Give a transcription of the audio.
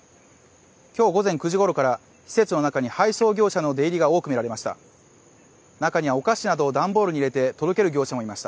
今日午前９時ごろから施設の中に配送業者の出入りが多く見られました。